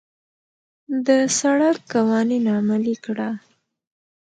د سړک قوانين عملي کړه.